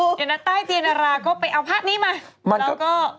เงินต้ายเจนาราก็ไปเอาผ้านี้มา